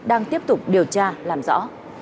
đang tiếp tục điều tra làm rõ